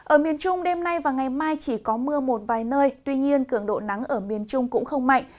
ở miền trung đêm nay và ngày mai chỉ có mưa một vài nơi tuy nhiên cường độ nắng ở miền trung cũng không mạnh